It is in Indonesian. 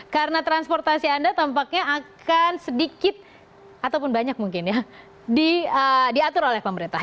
karena transportasi anda tampaknya akan sedikit ataupun banyak mungkin ya diatur oleh pemerintah